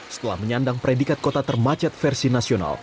setelah menyandang predikat kota termacet versi nasional